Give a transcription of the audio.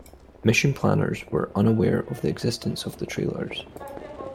Mission planners were unaware of the existence of the trailers.